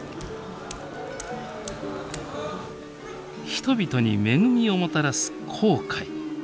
人々に恵みをもたらす紅海。